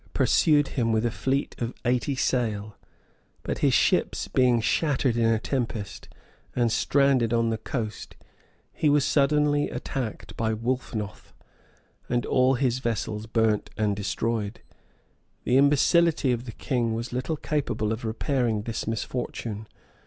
] Brightric pursued him with a fleet of eighty sail; but his ships being shattered in a tempest, and stranded on the coast, he was suddenly attacked by Wolfnoth, and all his vessels burnt and destroyed. The imbecility of the king was little capable of repairing this misfortune.